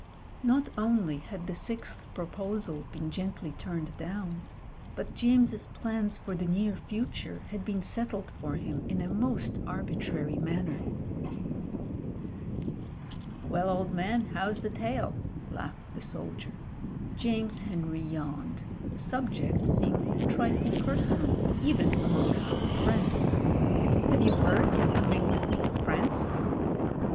Not only had the sixth proposal been gently turned down — ^but James's plans for the near future had been settled for him in a most arbitrary manner. 222 MEN, WOMEN AND GUNS *'WelI, old man, how's the tail ?*' laughed the soldier. James Henry yawned — the subject seemed a trifle personal even amongst old friends. *'Have you heard you're coming with me to France?"